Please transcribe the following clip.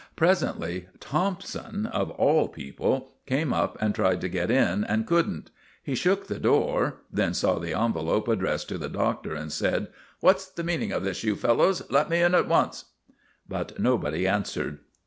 Presently Thompson, of all people, came up and tried to get in and couldn't. He shook the door, then saw the envelope addressed to the Doctor, and said: "What's the meaning of this, you fellows? Let me in at once!" But nobody answered.